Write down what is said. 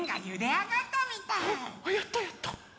あっやったやった！